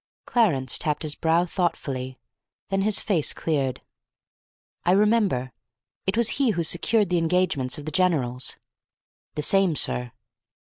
Clarence tapped his brow thoughtfully; then his face cleared. "I remember. It was he who secured the engagements of the generals." "The same, sir."